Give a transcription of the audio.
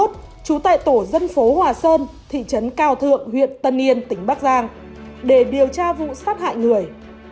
trú tại tổ dân phố hòa sơn thị trấn cao thượng huyện tân yên tỉnh bắc giang để điều tra vụ sát hại người